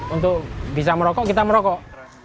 untuk bisa merokok kita merokok